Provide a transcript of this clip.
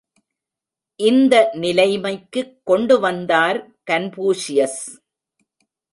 இந்த நிலைமைக்குக் கொண்டு வந்தார் கன்பூஷியஸ்.